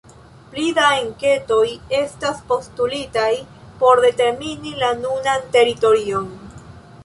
Pli da enketoj estas postulitaj por determini la nunan teritorion.